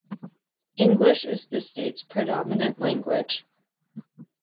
English is the state's predominant language.